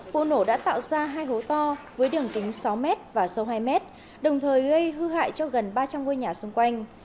vụ nổ đã tạo ra hai hố to với đường kính sáu m và sâu hai m đồng thời gây hư hại cho gần ba trăm linh ngôi nhà xung quanh